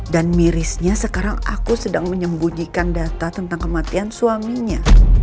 dan mirisnya sekarang aku sedang menyembunyikan data tentang kematian suaminya